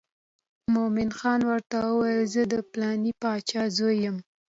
مومن خان ورته وویل زه د پلانې باچا زوی یم.